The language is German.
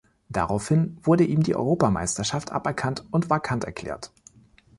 Daraufhin wurde ihm die Europameisterschaft aberkannt und vakant erklärt.